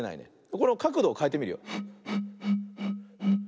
このかくどをかえてみるよ。